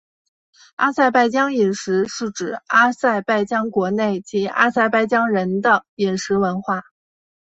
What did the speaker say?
阿塞拜疆饮食是指阿塞拜疆国内及阿塞拜疆人的饮食文化。